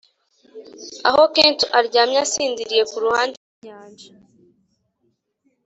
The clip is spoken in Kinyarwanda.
aho kent aryamye asinziriye kuruhande rwinyanja,